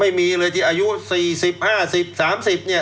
ไม่มีเลยที่อายุ๔๐๕๐๓๐เนี่ย